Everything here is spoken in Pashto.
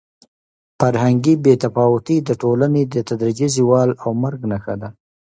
فرهنګي بې تفاوتي د ټولنې د تدریجي زوال او مرګ نښه ده.